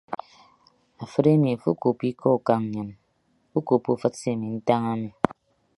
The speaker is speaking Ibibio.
Afịt emi afo ukoppo ikọ ukañ nnyịn ukoppo afịt se ami ntañ ami.